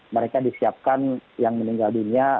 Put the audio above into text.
mereka disiapkan yang meninggal dunia